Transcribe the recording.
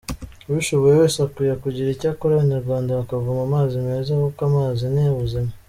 Ubishoboye wese akwiye kugira icyo akora, Abanyarwanda bakavoma amazi meza, kuko amazi ni ubuzima.